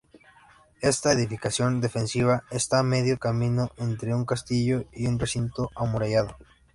Esta edificación defensiva está a medio camino entre un castillo y un recinto amurallado.